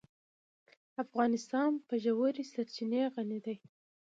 افغانستان په ژورې سرچینې غني دی.